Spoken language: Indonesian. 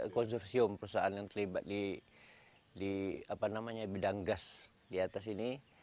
konsorsium perusahaan yang terlibat di bidang gas di atas ini